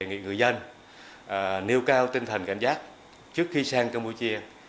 nghị người dân nêu cao tinh thần cảnh giác trước khi sang campuchia